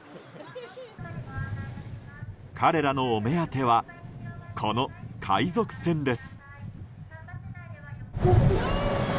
彼らのお目当てはこの海賊船です。